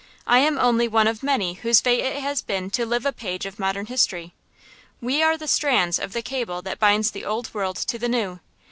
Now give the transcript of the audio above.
I am only one of many whose fate it has been to live a page of modern history. We are the strands of the cable that binds the Old World to the New.